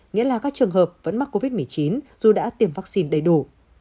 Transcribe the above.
nghĩa là các trường hợp vẫn mắc covid một mươi chín dù đã tiêm vaccine đầy đủ